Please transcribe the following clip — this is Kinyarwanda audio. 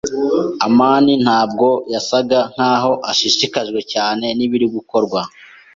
amani ntabwo yasaga nkaho ashishikajwe cyane nibiri gukorwa.